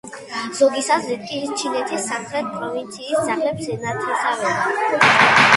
ზოგის აზრით კი ის ჩინეთის სამხრეთ პროვინციის ძაღლებს ენათესავება.